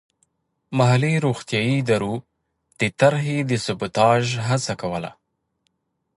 محلي روغتیايي ادارو د طرحې د سبوتاژ هڅه کوله.